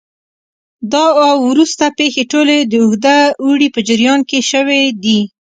دا او وروسته پېښې ټولې د اوږده اوړي په جریان کې شوې دي